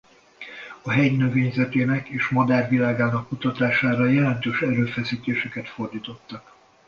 A hegy növényzetének és madárvilágának kutatására jelentős erőfeszítéseket fordítottak.